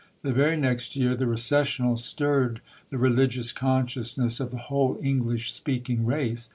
The very next year The Recessional stirred the religious consciousness of the whole English speaking race.